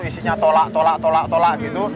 isinya tolak tolak tolak tolak gitu